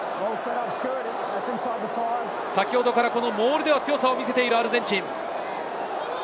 先ほどからモールでは強さを見せているアルゼンチン。